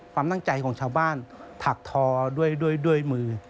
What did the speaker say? ความตั้งใจของชาวบ้านถักทอด้วยมือ